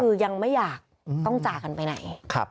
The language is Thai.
คือยังไม่อยากต้องจากกันไปไหน